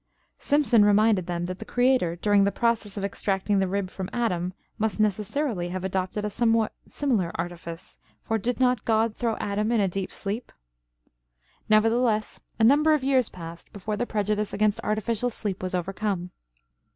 Simpson reminded them "that the Creator, during the process of extracting the rib from Adam, must necessarily have adopted a somewhat similar artifice for did not God throw Adam in a deep sleep?" Nevertheless, a number of years passed before the prejudice against artificial sleep was overcome.